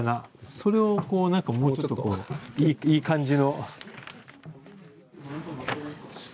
それをこう何かもうちょっといい感じの。